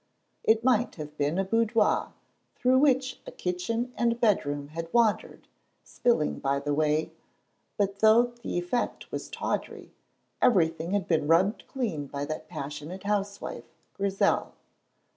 It might have been a boudoir through which a kitchen and bedroom had wandered, spilling by the way, but though the effect was tawdry, everything had been rubbed clean by that passionate housewife, Grizel.